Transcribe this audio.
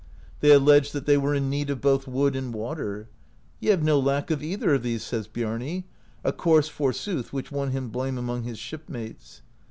They alleged that they were in need of both wood and water. "Ye have no lack of either of these/ says Biarni — a course, for sooth, which won him blame among his shipmates.